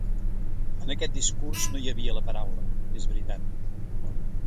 En aquest discurs no hi havia la paraula, és veritat.